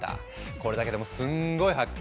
これだけでもすんごい発見！